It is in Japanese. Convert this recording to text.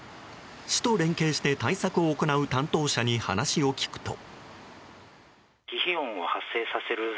市と連携して対策を行う担当者に話を聞くと。